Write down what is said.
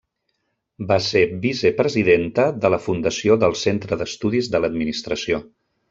Va ser vicepresidenta de la Fundació del Centre d'Estudis de l'Administració.